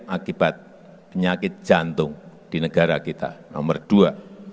akibat penyakit jantung di negara kita nomor dua